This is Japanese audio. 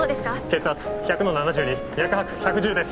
血圧１００の７２脈拍１１０です。